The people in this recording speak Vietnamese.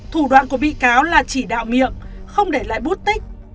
thủ đoạn của bị cáo là chỉ đạo miệng không để lại bút tích